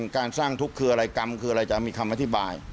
การสร้างทุกข์คืออะไรกรรมคืออะไรจะมีคำอธิบาย